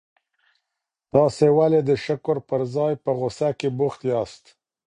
تاسي ولي د شکر پر ځای په غوسه کي بوخت یاست؟